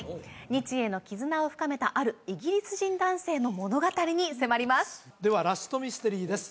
日英の絆を深めたあるイギリス人男性の物語に迫りますではラストミステリーです